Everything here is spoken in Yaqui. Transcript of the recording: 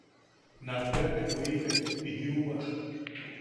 Nakbea ne bwitek ti jiuwa.